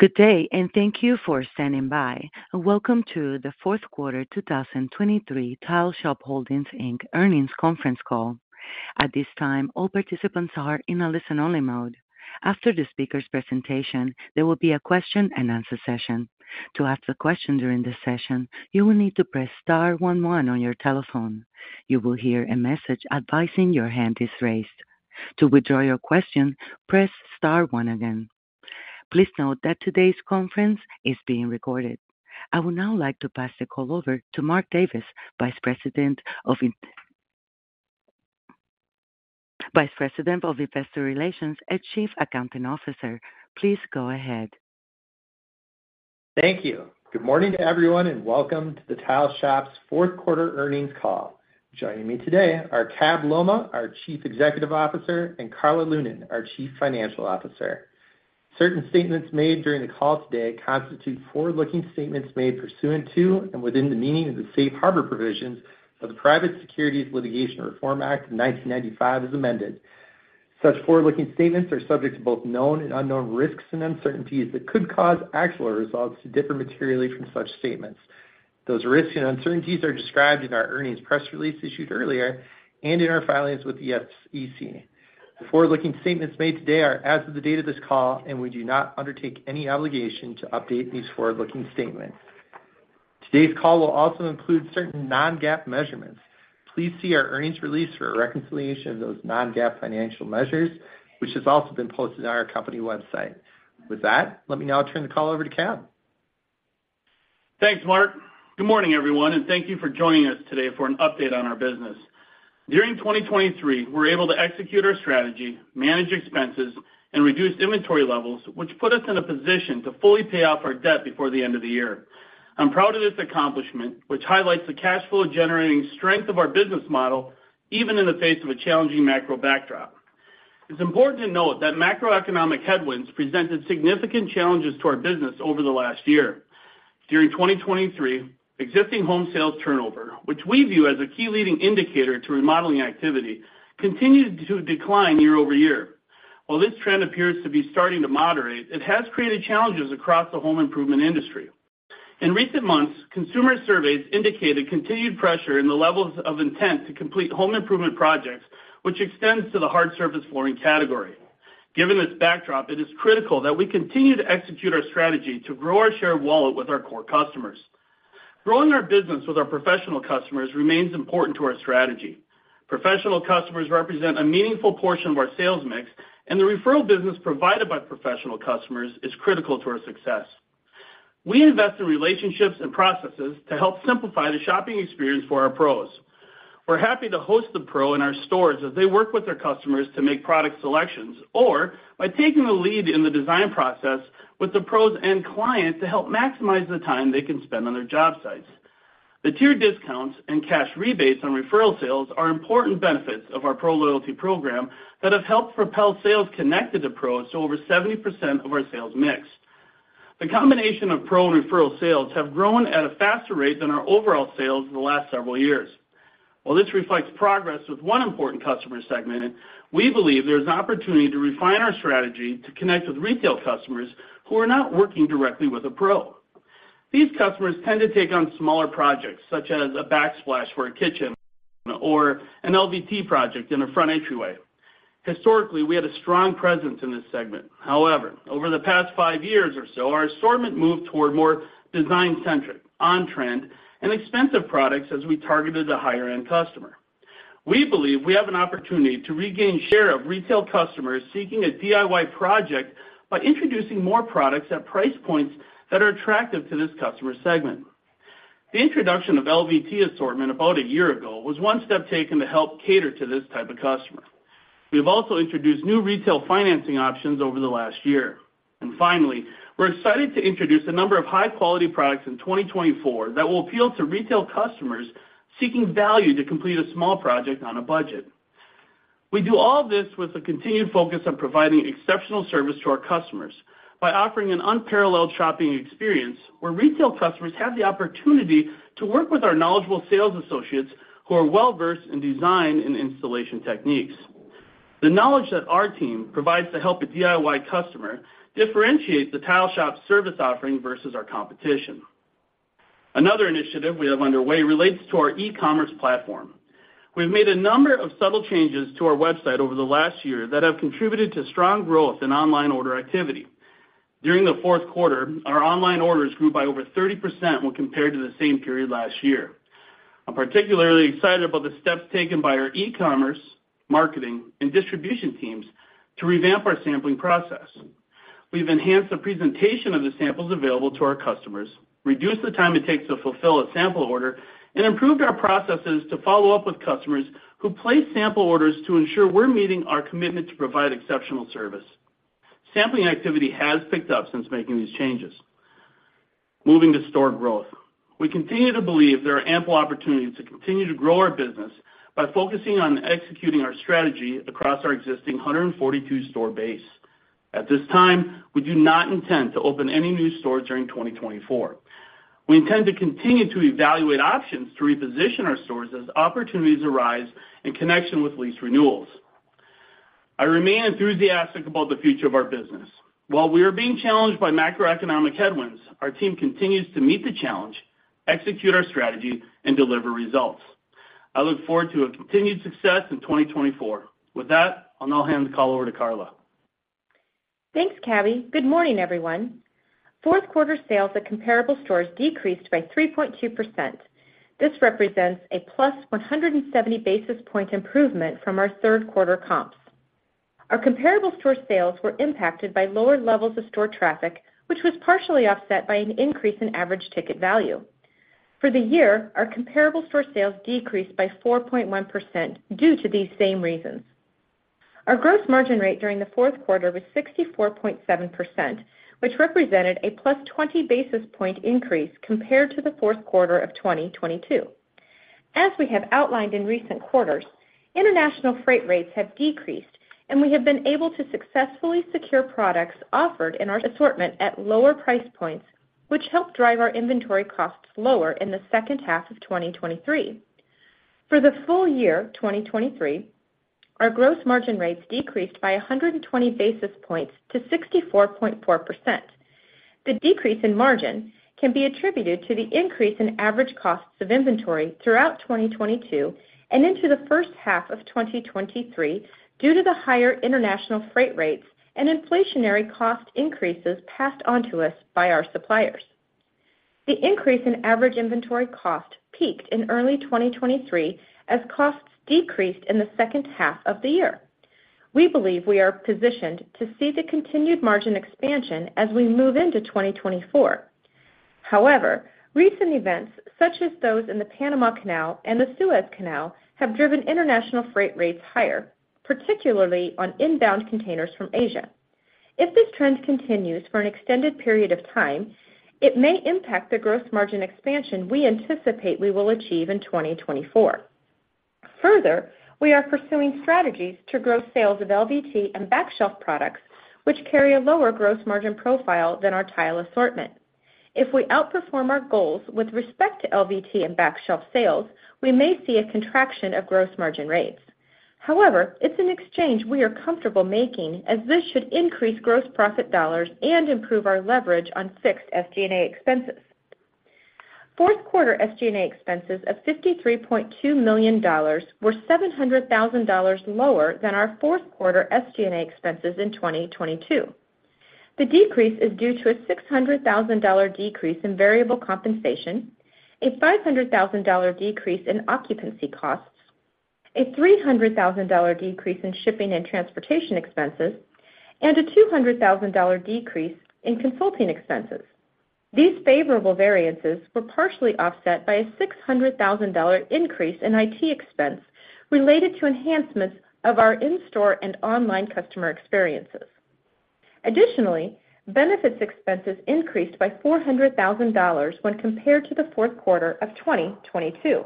Good day and thank you for standing by. Welcome to the Fourth Quarter 2023 Tile Shop Holdings, Inc. earnings conference call. At this time, all participants are in a listen-only mode. After the speaker's presentation, there will be a question-and-answer session. To ask a question during the session, you will need to press star one one on your telephone. You will hear a message advising your hand is raised. To withdraw your question, press star one again. Please note that today's conference is being recorded. I would now like to pass the call over to Mark Davis, Vice President of Investor Relations and Chief Accounting Officer. Please go ahead. Thank you. Good morning to everyone and welcome to the Tile Shop's Fourth Quarter earnings call. Joining me today are Cabell Lolmaugh, our Chief Executive Officer, and Karla Lunan, our Chief Financial Officer. Certain statements made during the call today constitute forward-looking statements made pursuant to and within the meaning of the Safe Harbor provisions of the Private Securities Litigation Reform Act of 1995 as amended. Such forward-looking statements are subject to both known and unknown risks and uncertainties that could cause actual results to differ materially from such statements. Those risks and uncertainties are described in our earnings press release issued earlier and in our filings with the SEC. The forward-looking statements made today are as of the date of this call, and we do not undertake any obligation to update these forward-looking statements. Today's call will also include certain non-GAAP measurements. Please see our earnings release for a reconciliation of those Non-GAAP financial measures, which has also been posted on our company website. With that, let me now turn the call over to Cabby. Thanks, Mark. Good morning, everyone, and thank you for joining us today for an update on our business. During 2023, we were able to execute our strategy, manage expenses, and reduce inventory levels, which put us in a position to fully pay off our debt before the end of the year. I'm proud of this accomplishment, which highlights the cash flow-generating strength of our business model even in the face of a challenging macro backdrop. It's important to note that macroeconomic headwinds presented significant challenges to our business over the last year. During 2023, existing home sales turnover, which we view as a key leading indicator to remodeling activity, continued to decline year-over-year. While this trend appears to be starting to moderate, it has created challenges across the home improvement industry. In recent months, consumer surveys indicated continued pressure in the levels of intent to complete home improvement projects, which extends to the hard surface flooring category. Given this backdrop, it is critical that we continue to execute our strategy to grow our share of wallet with our core customers. Growing our business with our professional customers remains important to our strategy. Professional customers represent a meaningful portion of our sales mix, and the referral business provided by professional customers is critical to our success. We invest in relationships and processes to help simplify the shopping experience for our pros. We're happy to host the pro in our stores as they work with their customers to make product selections or by taking the lead in the design process with the pros and client to help maximize the time they can spend on their job sites. The tier discounts and cash rebates on referral sales are important benefits of our pro loyalty program that have helped propel sales connected to pros to over 70% of our sales mix. The combination of pro and referral sales has grown at a faster rate than our overall sales the last several years. While this reflects progress with one important customer segment, we believe there is an opportunity to refine our strategy to connect with retail customers who are not working directly with a pro. These customers tend to take on smaller projects such as a backsplash for a kitchen or an LVT project in a front entryway. Historically, we had a strong presence in this segment. However, over the past five years or so, our assortment moved toward more design-centric, on-trend, and expensive products as we targeted the higher-end customer. We believe we have an opportunity to regain share of retail customers seeking a DIY project by introducing more products at price points that are attractive to this customer segment. The introduction of LVT assortment about a year ago was one step taken to help cater to this type of customer. We have also introduced new retail financing options over the last year. Finally, we're excited to introduce a number of high-quality products in 2024 that will appeal to retail customers seeking value to complete a small project on a budget. We do all of this with a continued focus on providing exceptional service to our customers by offering an unparalleled shopping experience where retail customers have the opportunity to work with our knowledgeable sales associates who are well-versed in design and installation techniques. The knowledge that our team provides to help a DIY customer differentiate the Tile Shop service offering versus our competition. Another initiative we have underway relates to our e-commerce platform. We've made a number of subtle changes to our website over the last year that have contributed to strong growth in online order activity. During the fourth quarter, our online orders grew by over 30% when compared to the same period last year. I'm particularly excited about the steps taken by our e-commerce, marketing, and distribution teams to revamp our sampling process. We've enhanced the presentation of the samples available to our customers, reduced the time it takes to fulfill a sample order, and improved our processes to follow up with customers who place sample orders to ensure we're meeting our commitment to provide exceptional service. Sampling activity has picked up since making these changes. Moving to store growth. We continue to believe there are ample opportunities to continue to grow our business by focusing on executing our strategy across our existing 142-store base. At this time, we do not intend to open any new stores during 2024. We intend to continue to evaluate options to reposition our stores as opportunities arise in connection with lease renewals. I remain enthusiastic about the future of our business. While we are being challenged by macroeconomic headwinds, our team continues to meet the challenge, execute our strategy, and deliver results. I look forward to continued success in 2024. With that, I'll now hand the call over to Karla. Thanks, Cabby. Good morning, everyone. Fourth quarter sales at comparable stores decreased by 3.2%. This represents a plus 170 basis point improvement from our third quarter comps. Our comparable store sales were impacted by lower levels of store traffic, which was partially offset by an increase in average ticket value. For the year, our comparable store sales decreased by 4.1% due to these same reasons. Our gross margin rate during the fourth quarter was 64.7%, which represented a plus 20 basis point increase compared to the fourth quarter of 2022. As we have outlined in recent quarters, international freight rates have decreased, and we have been able to successfully secure products offered in our assortment at lower price points, which helped drive our inventory costs lower in the second half of 2023. For the full year 2023, our gross margin rates decreased by 120 basis points to 64.4%. The decrease in margin can be attributed to the increase in average costs of inventory throughout 2022 and into the first half of 2023 due to the higher international freight rates and inflationary cost increases passed onto us by our suppliers. The increase in average inventory cost peaked in early 2023 as costs decreased in the second half of the year. We believe we are positioned to see the continued margin expansion as we move into 2024. However, recent events such as those in the Panama Canal and the Suez Canal have driven international freight rates higher, particularly on inbound containers from Asia. If this trend continues for an extended period of time, it may impact the gross margin expansion we anticipate we will achieve in 2024. Further, we are pursuing strategies to grow sales of LVT and backshelf products, which carry a lower gross margin profile than our tile assortment. If we outperform our goals with respect to LVT and backshelf sales, we may see a contraction of gross margin rates. However, it's an exchange we are comfortable making as this should increase gross profit dollars and improve our leverage on fixed SG&A expenses. Fourth quarter SG&A expenses of $53.2 million were $700,000 lower than our fourth quarter SG&A expenses in 2022. The decrease is due to a $600,000 decrease in variable compensation, a $500,000 decrease in occupancy costs, a $300,000 decrease in shipping and transportation expenses, and a $200,000 decrease in consulting expenses. These favorable variances were partially offset by a $600,000 increase in IT expense related to enhancements of our in-store and online customer experiences. Additionally, benefits expenses increased by $400,000 when compared to the fourth quarter of 2022.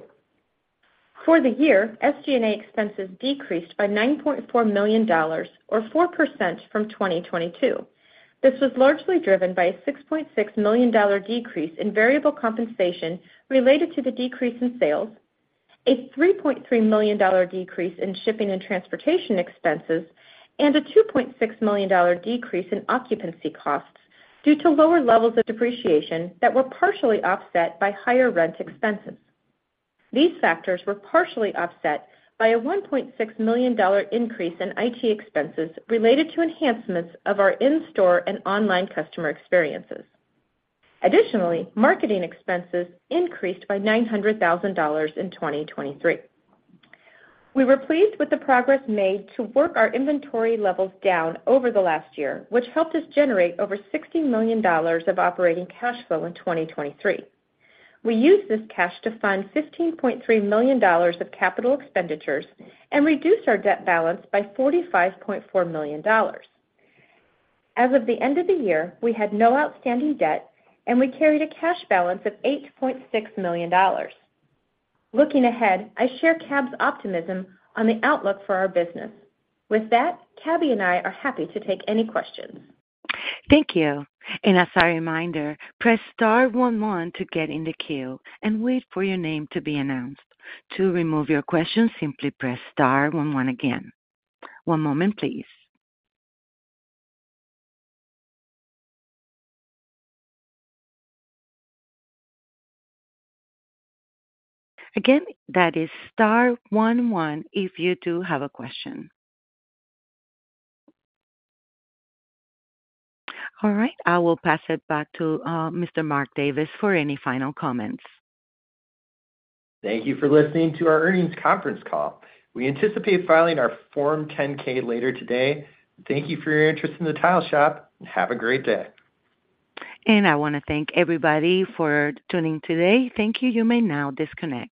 For the year, SG&A expenses decreased by $9.4 million or 4% from 2022. This was largely driven by a $6.6 million decrease in variable compensation related to the decrease in sales, a $3.3 million decrease in shipping and transportation expenses, and a $2.6 million decrease in occupancy costs due to lower levels of depreciation that were partially offset by higher rent expenses. These factors were partially offset by a $1.6 million increase in IT expenses related to enhancements of our in-store and online customer experiences. Additionally, marketing expenses increased by $900,000 in 2023. We were pleased with the progress made to work our inventory levels down over the last year, which helped us generate over $60 million of operating cash flow in 2023. We used this cash to fund $15.3 million of capital expenditures and reduce our debt balance by $45.4 million. As of the end of the year, we had no outstanding debt, and we carried a cash balance of $8.6 million. Looking ahead, I share Cab's optimism on the outlook for our business. With that, Cabby and I are happy to take any questions. Thank you. And as a reminder, press star one one to get in the queue and wait for your name to be announced. To remove your question, simply press star one one again. One moment, please. Again, that is star one one if you do have a question. All right, I will pass it back to Mr. Mark Davis for any final comments. Thank you for listening to our earnings conference call. We anticipate filing our Form 10-K later today. Thank you for your interest in the Tile Shop, and have a great day. I want to thank everybody for tuning in today. Thank you. You may now disconnect.